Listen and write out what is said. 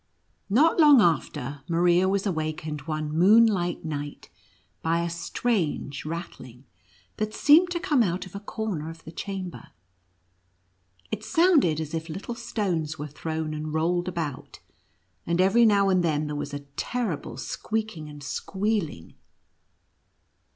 Not Ions: after, Maria was awaked one moon light night by a strange rattling, that seemed to come out of a corner of the chamber. It sounded as if little stones were thrown and rolled about; and every now and then there was a OTJTCEACKEE AND MOUSE KING. 95 terrible squeaking and squealing.